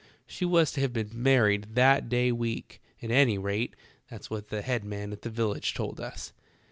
She was to have been married that day week ; at any rate, that's what the head man at the village told us.